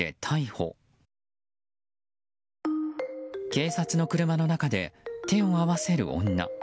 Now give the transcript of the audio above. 警察の車の中で手を合わせる女。